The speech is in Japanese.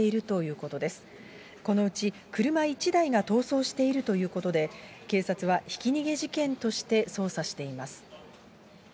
このうち車１台が逃走しているということで、警察はひき逃げ事件として捜査しています。